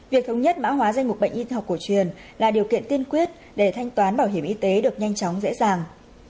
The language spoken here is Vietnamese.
việc thống nhất mã hóa danh mục bệnh y học cổ truyền là điều kiện tiên quyết để thanh toán bảo hiểm y tế được nhanh chóng dễ dàng